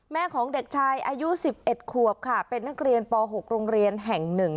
ของเด็กชายอายุ๑๑ขวบค่ะเป็นนักเรียนป๖โรงเรียนแห่ง๑